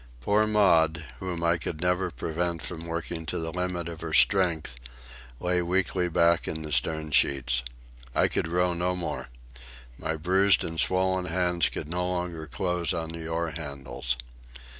Poor Maud, whom I could never prevent from working to the limit of her strength, lay weakly back in the stern sheets. I could row no more. My bruised and swollen hands could no longer close on the oar handles.